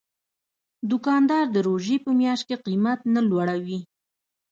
دوکاندار د روژې په میاشت کې قیمت نه لوړوي.